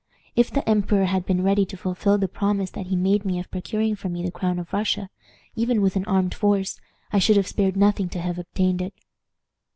If the emperor had been ready to fulfill the promise that he made me of procuring for me the crown of Russia, even with an armed force, I should have spared nothing to have obtained it.